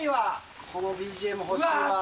このＢＧＭ、欲しいわ。